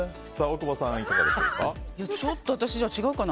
大久保さんはいかがでしょうか。